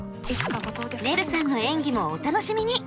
ねるさんの演技もお楽しみに！